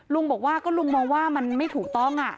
ลุงบอกว่าก็ลุงมองว่ามันไม่ถูกต้อง